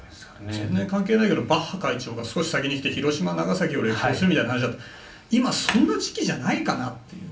全然関係ないけどバッハ会長が少し先に来て広島、長崎を歴訪するみたいな話だけど今、そんな時期じゃないかなっていうね。